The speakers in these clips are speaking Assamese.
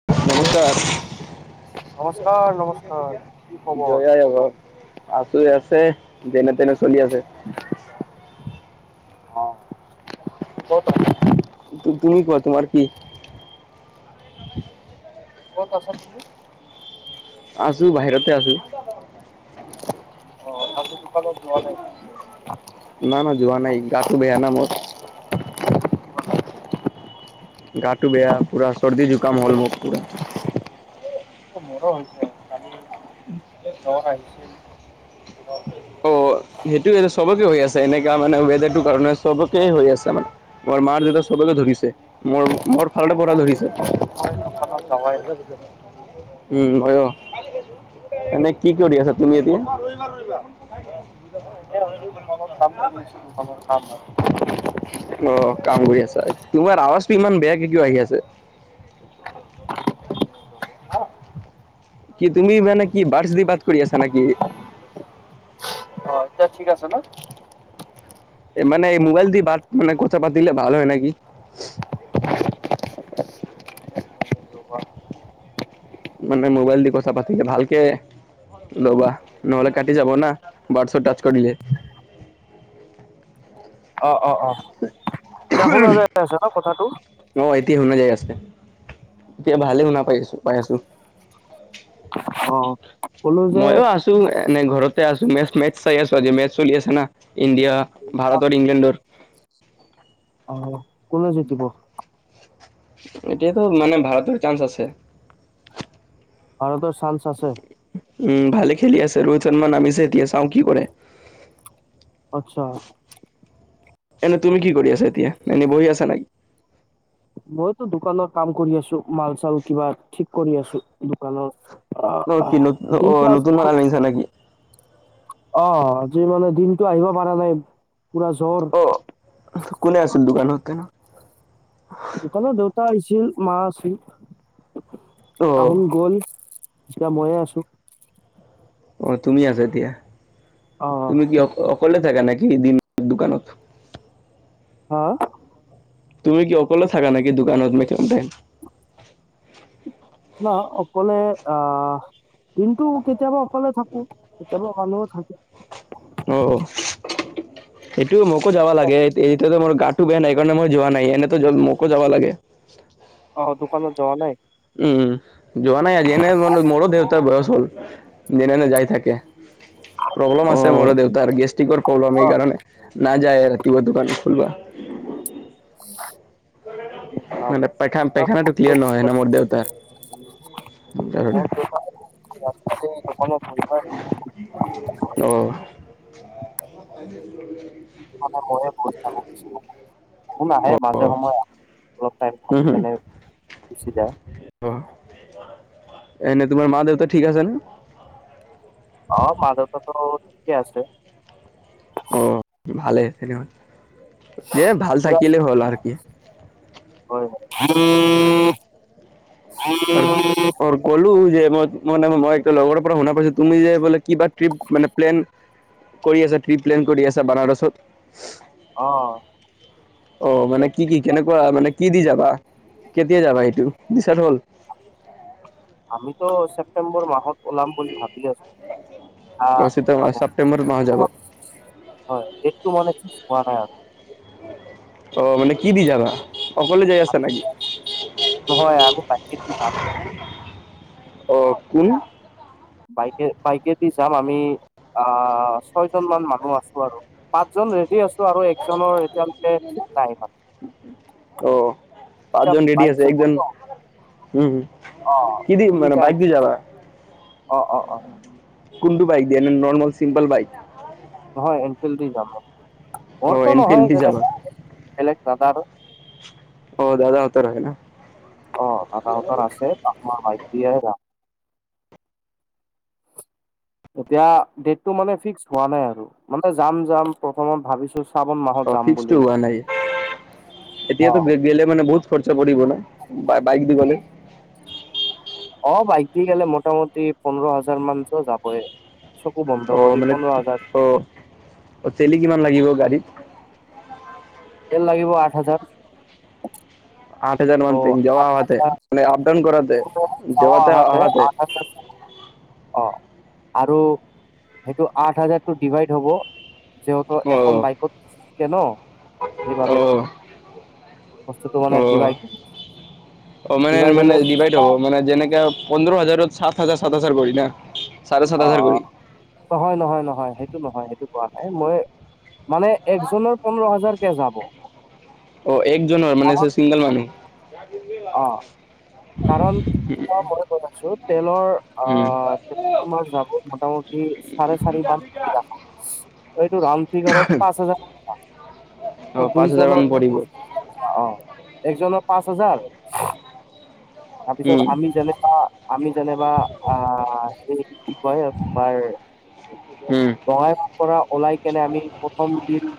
[unintelligible] নমস্কাৰ নমস্কাৰ কি খবৰ? জয় আই অসম! আছোঁ আছে, যেনে তেনে চলি আছে। অ', [unintelligible] তুমি কোৱা তোমাৰ কি? ক'ত আছা তুমি? আছোঁ বাহিৰতে আছোঁ। অ' আজি দোকানত যোৱা নাই? না না, যোৱা নাই। গাটো বেয়া ন' মোৰ। গাটো বেয়া, পুৰা চৰ্দি জোকাম হ'ল মোক পুৰা। অঁ, মৰো হৈছে কালি লগত আহিছিল দিনত। অ' সেইটোয়ে, চবকে হৈ আছে এনেকা মানে ৱেডাৰটো কাৰণে চবকে এতিয়া হৈ আছে মানে। মোৰ মা-দেউতা চবকে আজি ধৰিছে, মোৰ তিন- মোৰ ফালৰ পৰা আজি ধৰিছে। তিনিদিন মই দোকানত যাৱাই নাই। [unintelligible] উম' ময়ো, এনে কি কৰি আছা তুমি এতিয়া? মই এনেই আছো [unintelligible] [unintelligible] দোকানত কাম কৰি আছো, দোকানৰ কাম হয়। অ' কাম কৰি আছা? তোমাৰ আৱাজটো ইমান বেয়াকে কিয় আহি আছে? অ [inaudible] কি তুমি মানে কি বাৰছ দি বাদ কৰি আছা নেকি এতিয়া ঠিক আছে না মানে এই মোবাইল দি বাট মানে কথা পাতিলে ভাল হয় নেকি মানে মোবাইল দি কথা পাতিলে ভালকে ৰবা নহ'লে কাটি যাব না বাৰ্থছ টাচ কৰিলে অ অ অ এতিয়া শুনা যায় আছে না কথাটো অ এতিয়া শুনা যায় আছে এতিয়া ভালে শুনা পাইছো পাই আছো অ ক'লো যে ময়ো আছো এনে ঘৰতে আছো মেচ চাই আছো আজি মেথ চলি আছে না ইণ্ডিয়া ভাৰতৰ ইংলেণ্ডৰ আহ কোনে জিকিব? এতিয়াতো মানে ভাৰতৰ চান্স আছে ভাৰতৰ চান্স আছে উম ভালে খেলি আছে ৰোহিত শৰ্মা নামিছে এতিয়া চাওঁ কি কৰে আচ্ছা এনেই তুমি কি কৰি আছা এতিয়া এনে বহি আছা না মইতো দোকানৰ কাম কৰি আছো মাল চাল কিবা ঠিক কৰি আছো দোকানৰ অ অঁ অ কি নতুন অঁ দিনটো আজি নতুন মাল আনিছা [unintelligible] নেকি অ আজি মানে দিনটো আহিব পৰা নাই পুৰা জ্বৰ অ' কোনে আছিল দোকানত কেন দোকানত দেউতা আহিছিল মা আছিল অ', তাহোন গল এতিয়া ময়ে আছো অ তুমি আছা এতিয়া অ তুমি কি অকলে থাকা নেকি দিন দোকানত হা তুমি কি অকলে থাকা নেকি দোকানত মেটম টাইম নাহ অকলে আহ দিনটো কেতিয়াবা অকলে থাকো কেতিয়াবা মানুহ থাকে অ অ এইটো মোকো যাবা লাগে এই এতিয়াটো মোৰ গাটো বেয়া নাই এই কাৰণে মই যোৱা নাই এনেতো মোকো যাবা লাগে অ অ দোকানত যোৱা নাই উম উম যোৱা নাই আজি এনে মানে মোৰো দেউতাৰ বয়স হ'ল যেনে তেনে যাই থাকে প্ৰব্লেম অ আছে মোৰো দেউতাৰ গেষ্টিকৰ অ প্ৰব্লেম এইকাৰণে না যায় ৰাতিপুৱা দোকান খুলবা মোৰ দেউতা মানে পাইখা পাইখানাটো ক্লিয়াৰ নহয় ৰাস্তাতে না মোৰ দেউতাৰ কাৰণে [unintelligible] অ', ইয়াতে ময়ে বহি থাকো সোন আহে অ', মাজে অ', সময়ে আহ অলপ টাইম হম, থাকি হম, কেনে গুচি যায় অ এনেই তোমাৰ মা দেউতা ঠিক আছে নে অ মা দেউতাতো ঠিকে আছে অ ভালে তেনেহলে দে ভাল পুৰা থাকিল হ'ল আৰু কি হয় হয় অ ক'লো যে মই মানে মই লগৰৰ পৰা শুনা পাইছো তুমি যে বোলে কিবা ট্ৰিপ মানে প্লেন কৰি আছা ট্ৰিপ প্লেন কৰি আছা বানাৰসত অ অ ঠিক মানে আছে কি কি কেনেকুৱা মানে কি দি যাবা কেতিয়া যাবা সেইটো দিচাইদ হ'ল আমিতো ছেপ্তেম্বৰ মাহত ওলাম বুলি ভাবি আছোঁ আ, অ চিত- ছেপ্টেম্বৰ মাহত [unintelligible] যাব তোমাক হয় [unintelligible] অ', মানে কি দি যাবা? অকলে যাই আছা নেকি [unintelligible] হয় [unintelligible] অ', কোন? বাইকে বাইকেদি যাম আমি আ, ছয় জন মান মানুহ আছো আৰু। পাঁচজন ৰেডি আছোঁ আৰু একজনৰ এতিয়ালৈকে ঠিক নাই মানে। অ ত' পাঁচজন ৰেডি বাইক আছে একজন [unintelligible] উম অ', কি দি মানে তিনিটা বাইক [unintelligible] দি যাবা অ', অ', অ'। কোনটো বাইক দিয়া ন নৰ্মেল চিম্পল বাইক? নহয় এনফিল দি যাম মোৰটো। অ মোৰটো এনফিল্ড নহয় দি যাবা [unintelligible] বেলেগ দাদাৰ। অ', দাদাহঁতৰ আহে না। অ', দাদাহঁতৰ আছে [unintelligible] দিয়ে যাম। আ [unintelligible] এতিয়া দেতটো মানে ফিক্স হোৱা নাই আৰু মানে যাম যাম প্ৰথমত ভাবি [unintelligible] অ', ফিক্সটো হোৱা নাই। অ এতিয়াতো ব্ৰেক গেলে মানে বহুত খৰচা পৰিব ন, বা বাইক দি গ'লে। অ', বাইক দি গেলে মোটামুটি পোন্ধৰ হাজাৰ মানটো যাবই। চকু অ বন্ধ কৰি পোন্ধৰ হাজাৰ একচুৱেলি কিমান লাগিব গাড়ীত? তেল লাগিব আঠ হাজাৰ। আঠ হাজাৰ ত মান [unintelligible] যোৱা আঠ অহাতে হাজাৰ মানে আপ ডাউন কৰাতে যাৱা যোৱাতে আহাতে অহাতে। আঠ হাজাৰ অ', আৰু সেইটো আঠ হাজাৰটো ডিভাইড হ'ব। যিহতু অ এখন বাইকত থাকে ন অ সেইবাবে বস্তুটো মানে অ', ডিভাইড অ', মানে ডিভাইড মানে হ'লে ডিভাইড হ'ব মানে যেনেকে পোন্ধৰ হাজাৰত সাত হাজাৰ সাত হাজাৰ কৰি না। চাৰে সাত অ', হাজাৰ কৰি অ', কহয় নহয় নহয় সেইটো নহয় সেইটো কোৱা নাই। মই মানে একজনৰ পোন্ধৰ হাজাৰকে যাব? অ', এক জনৰ মানে কাৰণ ছা ছিংগল মানুহ। [inaudible] অ', কাৰণ চোৱা মই কৈ আছোঁ তেলৰ উম। আহ তোমাৰ যাব মোটামুটি চাৰে চাৰি মান [unintelligible] এইটো ৰাউণ্ড ফিগাৰত পাঁচ হাজাৰ টকা। অ', পাঁচ হাজাৰ মান দুইজনৰ [unintelligible] পাচ পৰিব হাজাৰকে টকা অ'। একজনৰ পাঁচ হাজাৰ, উম, তাৰপিছত আমি যেনে কা আমি যেনেবা আ, হে কি কয় তোমাৰ উম, বঙাইগাঁওৰ পৰা ওলাই কেনে আমি প্ৰথম দিন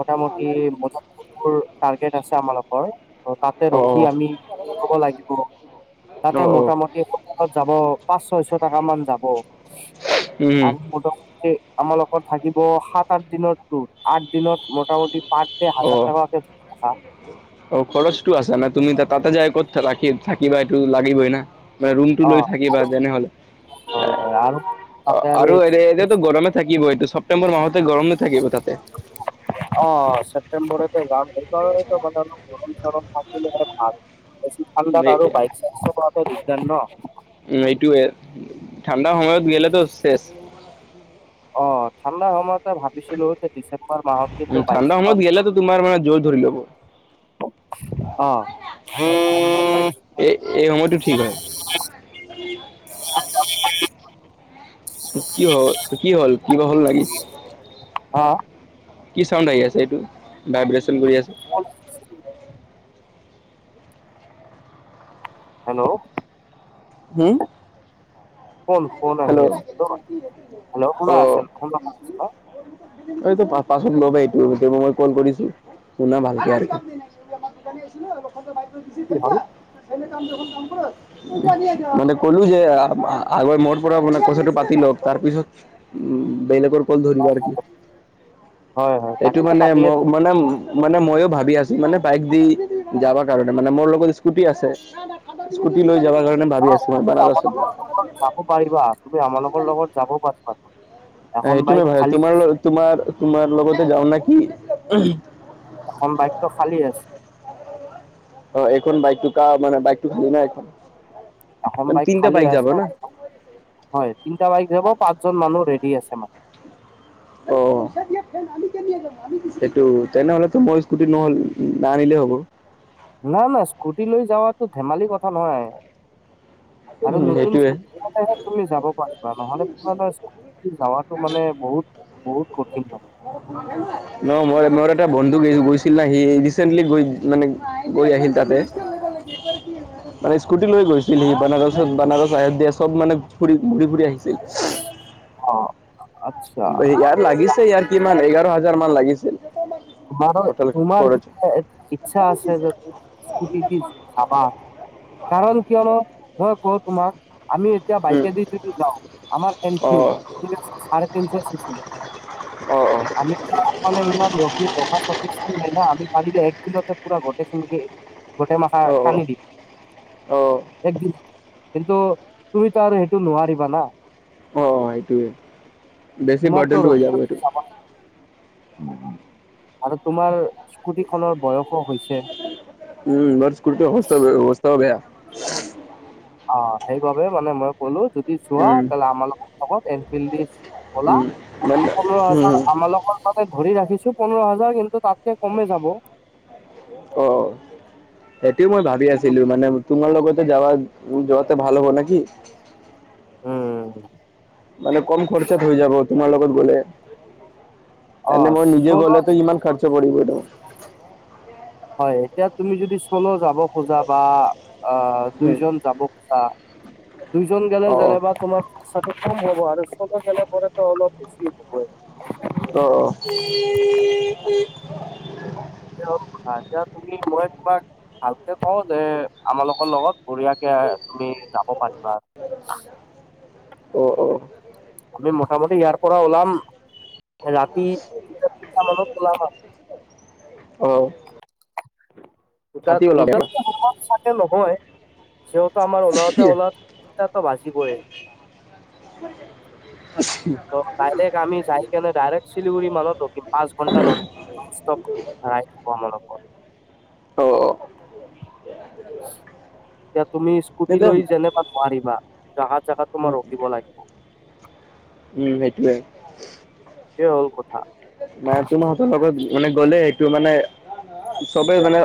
মটামটি মাজত [unintelligible] টাৰ্গেট আছে আমালোকৰ তাতে অ', অ', ৰখি আমি হ'ব লাগিব তাতে অ', অ', মতামত [unintelligible] যাব পাঁচ ছয়শ টকা মান যাব উম, আৰু মোটামুটি আমাৰ লগত থাকিব সাত আঠ দিনৰ তোৰ আঠ দিনত মোটামুটি পাৰডে হাজাৰ অ', টকাকে অ'। অ', খৰচটো আছা ন তুমি তা তাতে যায় কত থাকা থাকি থাকিবা এইটো লাগিবই না। মানে ৰুমটো অ লৈ থাকিবা তেনেহলে হয় হয় আৰু তাতে আৰু এ এতিয়াতো গৰমে থাকিব এইটো ছেপ্তেম্বৰ মাহতে গৰম নে থাকিব তাতে। অ ছেপটেম্বৰতে যাম সেইকাৰণে মানে অলপ গৰম চৰম থাকিলে ভাল বেছি ঠাণ্ডা এই- আৰুো বাইক চাইক চলোৱাটো দিগদাৰ ন। উ এইটোৱে ঠাণ্ডাৰ সময়ত গেলেতো শেষ। অ ঠাণ্ডা সময়তে ভাবিছিলোঁ যে ডিচেম্বৰ মাহত কিন্তু উম, বাইক ঠাণ্ডা চলা সময়ত গেলেতো তোমাৰ মানে জোৰৰ ধৰি ল'ব। অ এই এই সময়টো ঠিক হয়। [inaudible] [unintelligible] কি হল কি হ'ল কিবা হ'ল? অ কি চাউণ্ড আহি আছে এইটো ভাইব্ৰেচন কৰি আছে? অ। হেল্ল' হম। কোন কোন আহি আছে হেল্ল অ কোনে আছে ক? এইটো পাছত লব এইটো সেই মই কল কৰিছো। শুনা ভালকে আৰু। [unintelligible] কি হ'ল আগৰ মোৰ পৰা মানে কথাটো পাতি লওক তাৰপিছত বেলেগৰ ধৰিবা আৰু কি হয় হয় এইটো তাকেতো মানে ম কাটিয়ে মানে মানে মইও ভাবি আছোঁ মানে বাইক দি যাব কাৰণে মানে মোৰ লগত স্কুটি আছে। স্কুটি লৈ যাবাৰ কাৰণে ভাবি আছোঁ মই বানাৰসত। চাব পাৰিবা তুমি আমালোকৰ লগত যাবও পাৰিবা। এখন সেইটো মে বাইক ভাল খালী তোমাৰ আছে, তোমাৰ তোমাৰ লগতে যাও ন কি? এখন বাইক খালী আছে। অ এখন বাইকটো ক মান বাইকটো খালি ন এ এখন মান তিনটা খালী বাইক যাব আছে ন? হয় তিনিটা বাইক যাব পাঁচজন মানুহ ৰেডি আছে মানে। অ। সেইটো তেনেহলেতো মই স্কুটি নহল নাননিলেই হ'ব। নাই না স্কুটি লৈ যাৱাটো ধেমালি কথা নহয়। আৰু উম নতুন সেইটোয়ে স্কুটি তুমি যাব পাৰিবা নহলে পুৰনা যাবাটো মানে বহুত বহু কঠিন হ'ব। ন মই মোৰ এটা বন্ধু গৈ গৈছিল ন সি ৰিচেন্টলি গৈ মানে গৈ আহিল তাতে মানে স্কুটি লৈ গৈছিল সি। বানাৰসত বানাৰস আহে দিয়া চব মানে ফুৰি ঘূৰি ফুৰি আহিছিল। অ। আচ্ছা ইয়াৰ লাগিছে ইয়াৰ কিমান এঘাৰ হাজাৰ মান লাগিছিল। তোমাৰ টোটেল তোমাৰ খৰচ য়া ইচ্ছা আছে যদি দি চাবা কাৰণ কিয়নো মই কওঁ তোমাক আমি তেতিয়া উম বাইকে দি যদি যাওঁ আমাৰ অ এনফিল্ড অ অ [unintelligible] ৰখা স নাই আমি পাৰিলে এক দিনতে পুৰা গটে ফুলকে গোটেই মাথা অ কান্দি দিম। অ অ একদিন কিন্তু তুমিতো আৰু সেইটো নোৱাৰিবা না অ অ সেইটোৱে, বেছি তোমাৰতো বাৰ্ডনটো হৈ ৰখি যাব ৰখি এইটো। যাবা উম উম। আৰু তোমাৰ স্কুটি খনৰ বয়সো হৈছে। উম, [unintelligible] অবস্তা বেয়া। অ, সেইবাবে মানে মই ক'লো যদি চোৱা, উম তেলে আমাৰ লগত এনফিল দি গলা উম মানে পোন্ধৰ হাজাৰ উম আমাৰ লগত তাতে ধৰি ৰাখিছোঁ পোন্ধৰ হাজাৰ কিন্তু তাতকে কমে যাব। অ অ, সেটিও মই ভাবি আছিলোঁ মানে তোমাৰ লগতে যাৱা যোৱাতে ভাল হব নেকি? উম, উম, উম। মানে কম খৰচাত হৈ যাব তোমাৰ লগত গলে। অ এনে মই নিজে চল গ'লেতো ইমান খৰচা পৰিব ত'। হয়, এতিয়া তুমি যদি চল যাব খোজা বা অ উম দুইজন যাব খোজা। দুইজন গেলে অ যেনেবা তোমাৰ টো কম হব আৰু চল গেলেটো অলপ বেছি হব। অ, অ। এ এতিয়া তুমি মই তোমাক ভালকে কওঁ যে, আমালোকৰ লগত বৰিয়াকে তুমি যাব পাৰিবা। অ, অ। আমি মোটামুটি ইয়াৰ পৰা ওলাম। ৰাতি দুটা তিনিটা মানত ওলাম আৰু অ। দুটা ৰাতি ওলাম দুটাত চাগে নহয়। সিহঁত আমাৰ উলাওঁতে উলাওঁতে টা ত' বাজিবই। [unintelligible] ত ডাইৰেক আমি যাই কেনে ডাইৰেক্ট শিলিগুৰি মানত ৰখিম। পাঁচ ঘণ্টা ন নন স্টপ ৰাইদ হব আমালোকৰ। অঁ অ। এতিয়া তুমি স্কুটি তেতিয়া উম লৈ যেনিবা নোৱাৰিবা। জাগাত জাগাত তোমাৰ ৰখিব লাগিব। উম সেইটোৱে। সেইটোৱে হ'ল কথা মাই তোমাক লগত মানে গ'লে এইটো মানে, চবেই মানে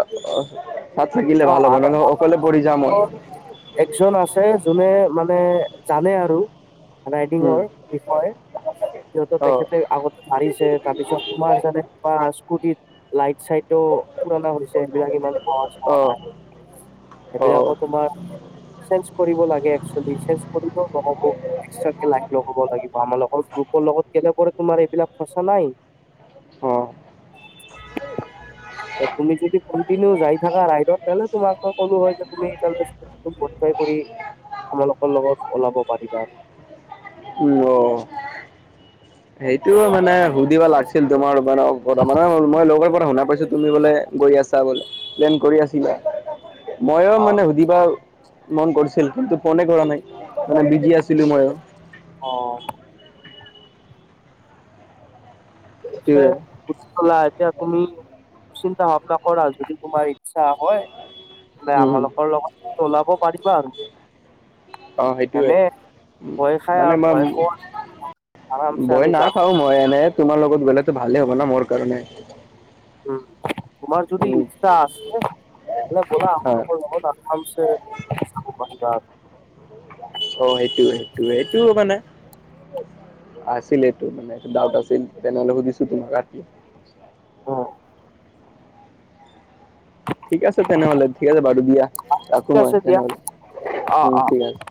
তাত থাকিলে অ ভাল হ'ব, আৰু নহয় অকলে পঢ়ি যাও মই। আপোনালোকৰ একজন আছে যোনে মানে জানে আৰু উম, ৰাইডিঙৰ বিষয়ে। সিহঁত অ', তেখেতে আগত মাৰিছে, তাৰপিছত তোমাৰ জানে বা স্কুটিত লাইট চাইটো পুৰণা হৈছে। সেবিলাক ইমান [unintelligible] অ', অ', সেইবিলাকো তোমাৰ চেঞ্জ কৰিব লাগে এক চুৱেলি। চেঞ্জ কৰিবও নহ'ব। এক্সট্ৰাকে লাগিব কব লাগিব। আমাৰ লগৰ গ্ৰুপৰ লগত কেলে কৰ তোমাৰ এইবিলাক ফচা নাই? অ', তুমি যদি কন্টিনিউ যাই থাকা ৰাইডত তেলে তোমাক মই ক'লো হয় যে, তুমি মদিফাই কৰি আমালোকৰ লগত ওলাব পাৰিবা। উম, অ। সেইটো মানে সুধিবা লাগিছিল। তোমাৰ মানে মানে মই লগৰ পৰা শুনা পাইছো, তুমি বোলে গৈ আছা চা বোলে। প্লেন কৰি আছিলা? মইও অ মানে সুধিবও মন কৰিছিল কিন্তু ফোনে কৰা নাই। মানে বিজি আছিলো মইও। অহ ঠিক আছে। সেইটোৱে। বুজি পালা, এতিয়া তুমি চিন্তা ভাৱনা কৰা, যদি তোমাৰ ইচ্ছা হয় বোলে উম, উম, আমালোকৰ লগত ওলাব পাৰিবা আৰু অহ সেইটোৱে, এনে ভয় খাই মানে আৰু মই ভয় খোৱা আৰামছে বই আমি যাম নাখাও মই এনে, তোমাৰ লগত গলেতো ভালেই হ'ব না মোৰ কাৰণে উম, তোমাৰ যদি উম, ইচ্ছা আছে, তেতিয়া হলে বলা হয়। আমালোকৰ ঘৰত [inaudible] অ সেইটোৱে, সেইটো মানে আছিলে এইটো মানে, ডাউট আছিল। তেনেহ'লে সুধিছো তোমাক অহ ঠিক আছে তেনেহলে, ঠিক আছে বাৰু দিয়া, ঠিক ৰাখো মই আছে দিয়া তেনেহলে, অ উম অ ঠিক আছে।